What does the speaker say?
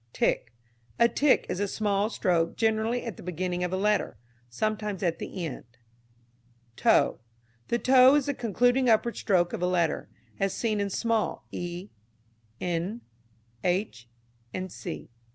Tick. A tick is a small stroke generally at the beginning of a letter, sometimes at the end. Toe. The toe is the concluding upward stroke of a letter, as seen in small e, n, h, &c.